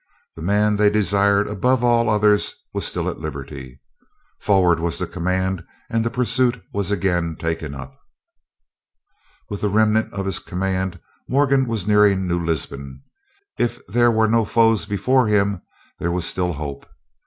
The man they desired above all others was still at liberty. "Forward," was the command, and the pursuit was again taken up. With the remnant of his command, Morgan was nearing New Lisbon. If there were no foes before him there was still hope.